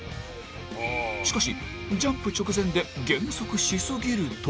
しかし、ジャンプ直前で減速しすぎると。